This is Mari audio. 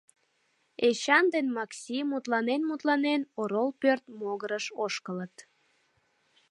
Эчан ден Макси, мутланен-мутланен, орол пӧрт могырыш ошкылыт.